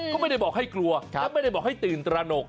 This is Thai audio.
ก็ไม่ได้บอกให้กลัวและไม่ได้บอกให้ตื่นตระหนก